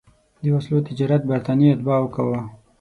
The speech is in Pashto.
د وسلو تجارت برټانیې اتباعو کاوه.